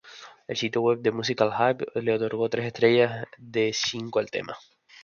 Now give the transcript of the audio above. El sitio web The Musical Hype le otorgó tres estrellas de cinco al tema.